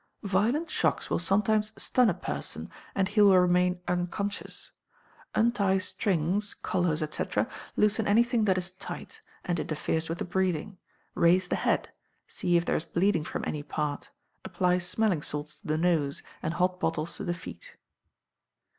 Violent shocks will sometimes stun a person, and he will remain unconscious. Untie strings, collars, &c. loosen anything that is tight, and interferes with the breathing; raise the head; see if there is bleeding from any part; apply smelling salts to the nose, and hot bottles to the feet.